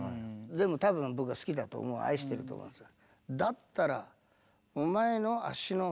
でも多分僕は好きだと思う愛してると思うんですよ。